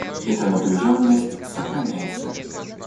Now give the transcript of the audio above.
Эта напряженность сохраняется.